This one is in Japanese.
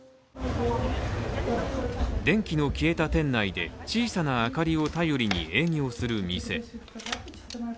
電気の消えた店内で小さな明かりを頼りに営業する店。